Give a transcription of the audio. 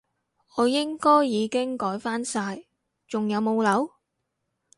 我應該已經改返晒，仲有冇漏？